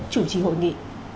chủ trì hội nghị